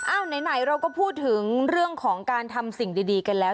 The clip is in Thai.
ไหนเราก็พูดถึงเรื่องของการทำสิ่งดีกันแล้ว